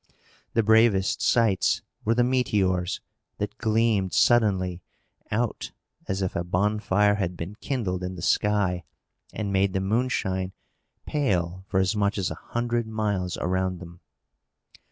The bravest sights were the meteors, that gleamed suddenly out, as if a bonfire had been kindled in the sky, and made the moonshine pale for as much as a hundred miles around them.